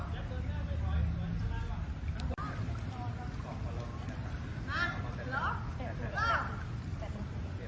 กล้องหมวอกล้องหมวอออกไปจากฝั่งรือหรือถอยไป